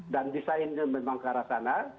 desainnya memang ke arah sana